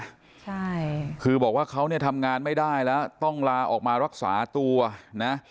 ใช่คือบอกว่าเขาเนี่ยทำงานไม่ได้แล้วต้องลาออกมารักษาตัวนะ